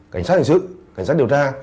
cảnh sát hình sự cảnh sát điều tra